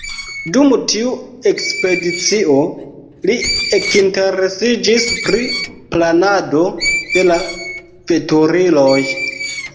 Dum tiu ekspedicio, li ekinteresiĝis pri planado de la veturiloj.